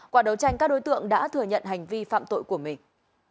qua đấu tranh các đối tượng đã thừa nhận hành vi phạm tội của mình